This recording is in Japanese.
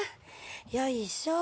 よいしょ。